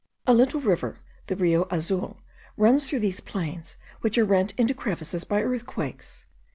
A little river, the Rio Azul, runs through these plains which are rent into crevices by earthquakes.